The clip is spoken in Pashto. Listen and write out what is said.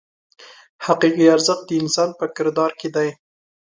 حقیقي ارزښت د انسان په کردار کې دی.